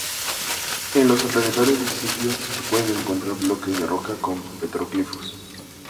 En los alrededores del sitio se pueden encontrar bloques de roca con petroglifos.